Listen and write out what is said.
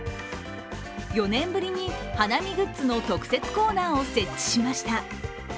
４年ぶりに花見グッズの特設コーナーを設置しました。